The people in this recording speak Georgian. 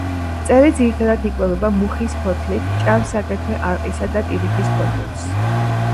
მწერი ძირითადად იკვებება მუხის ფოთლით, ჭამს აგრეთვე არყისა და ტირიფის ფოთოლს.